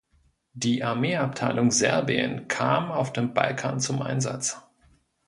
Die Armeeabteilung Serbien kam auf dem Balkan zum Einsatz.